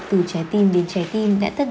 từ trái tim đến trái tim đã thất vọng